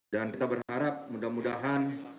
dan kita berharap mudah mudahan